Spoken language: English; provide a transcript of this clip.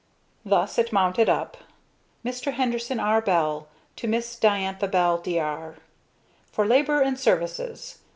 Thus it mounted up: Mr. Henderson R. Bell, To Miss Diantha Bell, Dr. For labor and services!!!!!